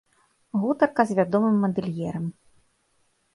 Гутарка з вядомым мадэльерам.